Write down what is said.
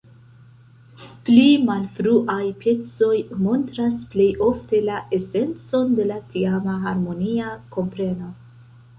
Pli malfruaj pecoj montras plej ofte la esencon de la tiama harmonia kompreno.